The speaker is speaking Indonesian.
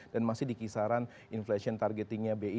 dan masih di kisaran inflation targetingnya bi